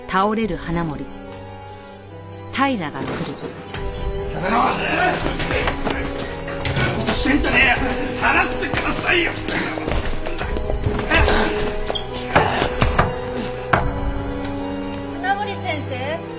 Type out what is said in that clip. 花森先生？